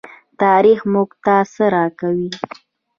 تاریخ موږ ته څه راکوي؟